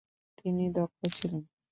তিনি দক্ষ ছিলেন ।